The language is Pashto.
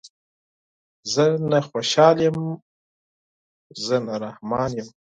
زه نه خوشحال یم زه نه رحمان یم